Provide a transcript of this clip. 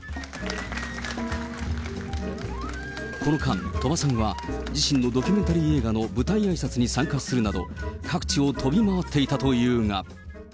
この間、鳥羽さんは自身のドキュメンタリー映画の舞台あいさつに参加するなど、各地を飛び回っていたというが。